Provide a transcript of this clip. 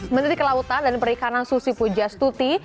menteri kelautan dan perikanan susi pujastuti